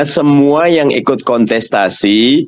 semua yang ikut kontestasi